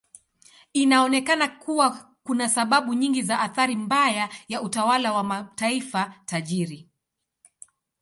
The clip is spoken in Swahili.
Inaonekana kuwa kuna sababu nyingi za athari mbaya ya utawala wa mataifa tajiri.